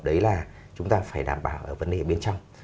đấy là chúng ta phải đảm bảo ở vấn đề bên trong